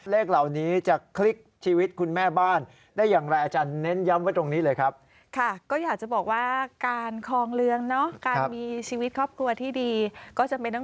เลขเหล่านี้จะคลิกชีวิตคุณแม่บ้าน